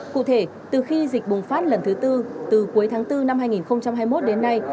cụ thể từ khi dịch bùng phát lần thứ tư từ cuối tháng bốn năm hai nghìn hai mươi một đến nay